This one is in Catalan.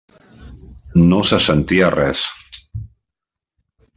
No se sentia res.